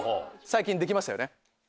最近出来ましたよね。